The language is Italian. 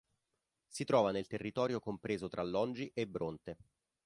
Si trova nel territorio compreso tra Longi e Bronte.